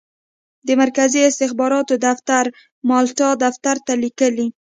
د مرکزي استخباراتو دفتر مالټا دفتر ته لیکي.